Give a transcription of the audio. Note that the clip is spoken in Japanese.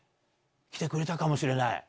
来てくれたかもしれない。